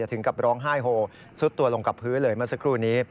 ถึงกับร้องไห้โฮซุดตัวลงกับพื้นเลยเมื่อสักครู่นี้